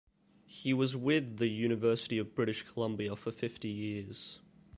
He was with the University of British Columbia for fifty years.